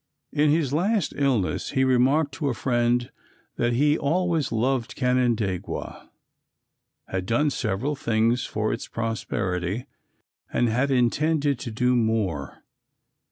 In his last illness he remarked to a friend that he always loved Canandaigua; had done several things for its prosperity, and had intended to do more.